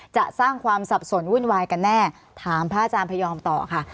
จะสร้างความสับสนวุ่นวายกันแน่ถามพระอาจารย์พยอมต่อค่ะ